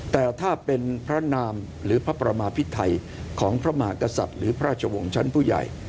แต่ถ้าเป็นพระนามหรือพระประมาพิไทยของพระมหากษัตริย์หรือพระราชวงศ์ชั้นผู้ใหญ่